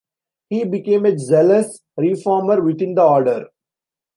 He became a zealous reformer within the Order.